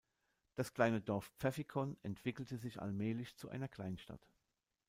Das kleine Dorf Pfäffikon entwickelte sich allmählich zu einer Kleinstadt.